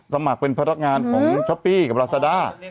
สมัครเป็นพนักงานของช้อปปี้กับลาซาด้า